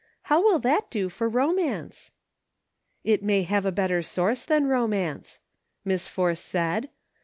How will that do for romance ?" "It may have a better source than romance," Miss Force said.